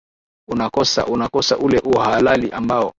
unakosa unakosa ule uhalali ambao